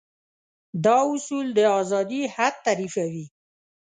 دا اصول د ازادي حد تعريفوي.